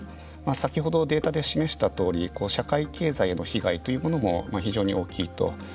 先ほどデータで示したとおり社会経済への被害というものも非常に大きいと。